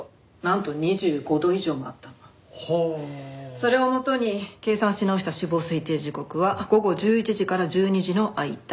それを元に計算し直した死亡推定時刻は午後１１時から１２時の間。